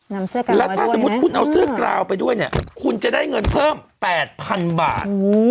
เสื้อกรานแล้วถ้าสมมุติคุณเอาเสื้อกราวไปด้วยเนี่ยคุณจะได้เงินเพิ่ม๘๐๐๐บาท